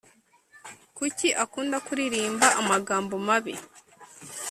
Kuki akunda kuririmba amagambo mabi